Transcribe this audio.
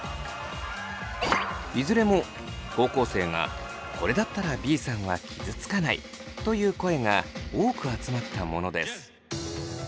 いずれも高校生がこれだったらＢさんは傷つかないという声が多く集まったものです。